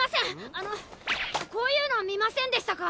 あのこういうの見ませんでしたか？